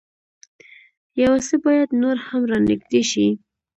يو څه بايد نور هم را نېږدې شي.